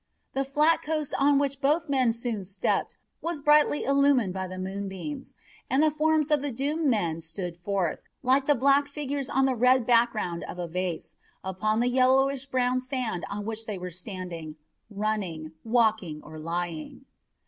The flat coast on which both men soon stepped was brightly illumined by the moonbeams, and the forms of the doomed men stood forth, like the black figures on the red background of a vase, upon the yellowish brown sand on which they were standing, running, walking, or lying.